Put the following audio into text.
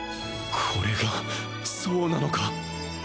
これがそうなのか